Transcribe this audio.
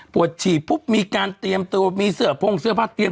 ปลวดฉี่ปุ๊บมีการเตรียมตัวเหมือนว่ามีเสื้อโพงเสื้อผ้าเตรียม